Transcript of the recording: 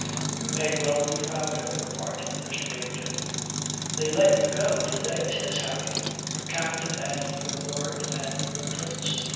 "You may well be proud of your part, Mr. Waverton." "They let you go, did they?" says Harry; "your captain and your lord and your prince?"